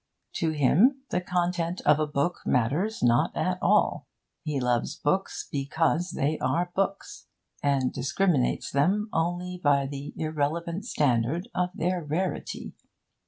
To him the content of a book matters not at all. He loves books because they are books, and discriminates them only by the irrelevant standard of their rarity.